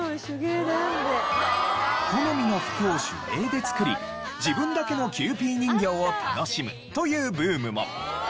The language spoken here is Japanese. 好みの服を手芸で作り自分だけのキューピー人形を楽しむというブームも。